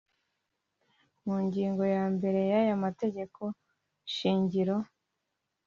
mu ngingo ya mbere y aya mategeko shingiro